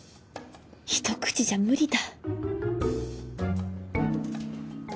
一口じゃ無理だ